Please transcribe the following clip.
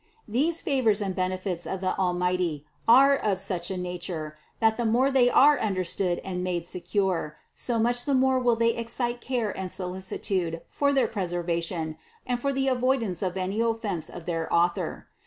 These favors and benefits of the Almighty are of such a nature, that the more they are understood and made secure, so much the more will they excite care and solicitude for their preservation and for the avoidance of any offense of their Author.